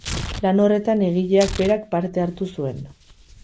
Lan horretan egileak berak parte hartu zuen.